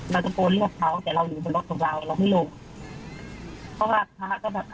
เราต้องโปรดเลือกเขาแต่เราอยู่บนรถของเราเราไม่ลุกเพราะว่าภารกิจก็แบบ